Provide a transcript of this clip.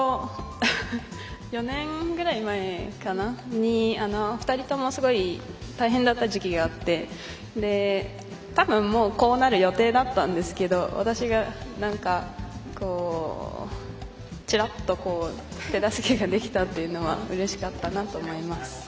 ４年ぐらい前に２人とも大変だった時期があってたぶん、もうこうなる予定だったんですけど私がちらっと手助けができたっていうのはうれしかったなと思います。